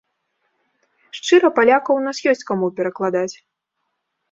Шчыра, палякаў у нас ёсць каму перакладаць.